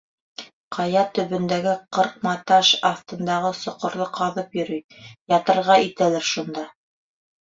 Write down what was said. Ҡая төбөндәге ҡырҡматаш аҫтындағы соҡорҙо ҡаҙып йөрөй, ятырға итәлер шунда.